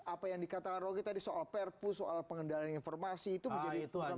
apa yang dikatakan rocky tadi soal perpu soal pengendalian informasi itu menjadi penting